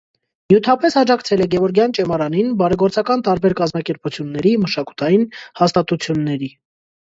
Նյութապես աջակցել է Գևորգյան ճեմարանին, բարեգործական տարբեր կազմակերպությունների, մշակութային հաստատությունների։